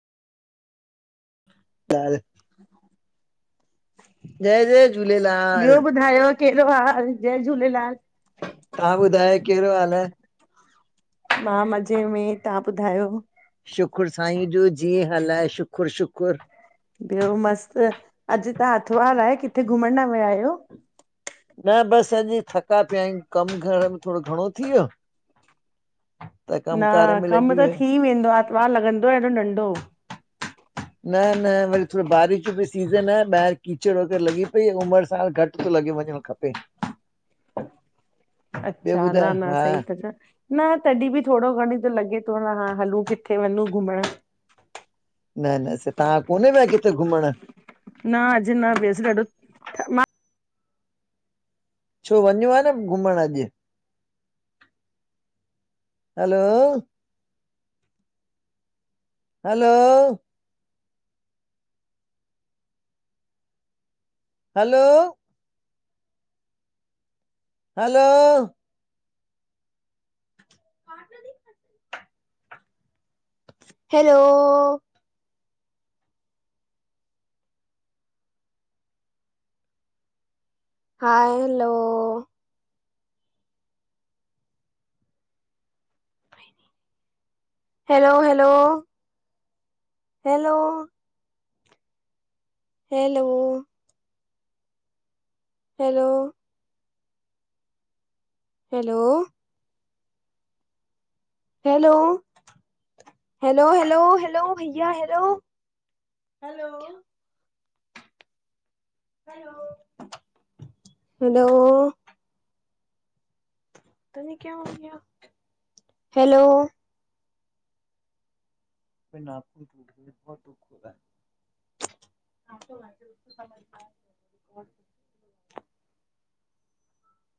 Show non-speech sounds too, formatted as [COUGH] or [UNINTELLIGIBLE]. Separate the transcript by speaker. Speaker 1: न [INAUDIBLE]
Speaker 2: [INAUDIBLE]
Speaker 1: ॿियो ॿुधायो, केड़ो हाल? जय झूलेलाल!
Speaker 2: तां ॿुधायो, केड़ेो हाल आहे?
Speaker 1: मां मज़े में, तहां ॿुधायो?
Speaker 2: शुखुरु साईं जो। जीअं हलाए शुख़ुरु, शुखुरु
Speaker 1: ॿियो मस्तु, अॼु त अथवार आहे। किथे घुमणु न विया आहियो?
Speaker 2: न बसि। अॼु थका पिया आहियूं। कमु घर में थोड़ो घणो थी वियो।
Speaker 1: न, कमु त थी वेंदो आ, आरतवारु लॻंदो आहे एॾो नंढो।
Speaker 2: [UNINTELLIGIBLE] न, न, वरी थोड़ी बारिश जो बि सीज़न आहे। ॿाहिरि कीचड़ वग़ैरह लॻी पई आहे। उमिरि सार घटि थो लॻे वञणो। खपे
Speaker 1: अच्छा न, न सही था चओ न, तॾहिं बि थोड़ो घणी त लॻे थो न, हां हलूं किथे वञूं घुमणु।
Speaker 2: न, न स तव्हां कोने विया किथे घुमण?
Speaker 1: न, अॼु न वेयस। ॾाढो मा
Speaker 2: छो वञो हा न घुमण अॼु? Hello hello hello hello [INAUDIBLE] hello hi hello hello, hello, hello hello hello hello hello hello, hello, hello भैया, हलो हेल्लो हलो हलो [INAUDIBLE] [INAUDIBLE]